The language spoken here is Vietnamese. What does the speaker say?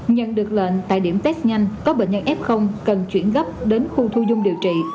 nhận được lệnh tại điểm test nhanh có bệnh nhân f cần chuyển gấp đến khu thu dung điều trị